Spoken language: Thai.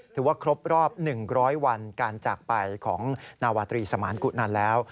ถือว่าครบรอบ๑๐๐วันการจากไปของนาวาตรีสมานกุนันแล้ว